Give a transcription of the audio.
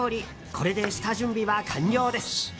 これで下準備は完了です。